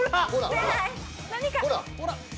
何か！